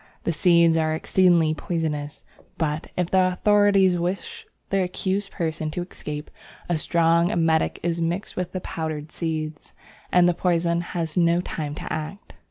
The seeds are exceedingly poisonous, but, if the authorities wish the accused person to escape, a strong emetic is mixed with the powdered seeds, and the poison has no time to act.